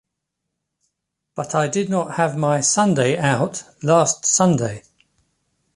But I did not have my Sunday out last Sunday.